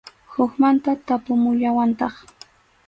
Hukmanta tapumuwallantaq.